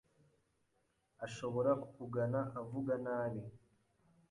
Ashobora kukugana avuga nabi